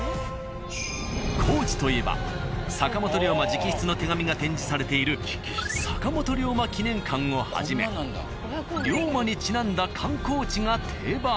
高知といえば坂本龍馬直筆の手紙が展示されている坂本龍馬記念館をはじめ龍馬にちなんだ観光地が定番。